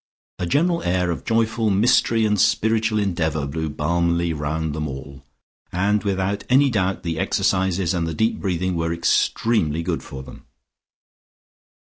A general air of joyful mystery and spiritual endeavour blew balmily round them all, and without any doubt the exercises and the deep breathing were extremely good for them.